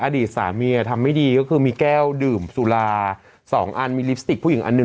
อดีตสามีทำไม่ดีก็คือมีแก้วดื่มสุรา๒อันมีลิปสติกผู้หญิงอันหนึ่ง